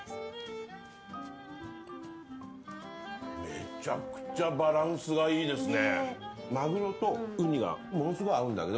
めちゃくちゃバランスがいいですね。